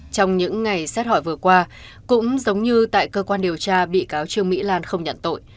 trong những ngày xét hỏi vừa qua cũng giống như tại cơ quan điều tra bị cáo trương mỹ lan không nhận tội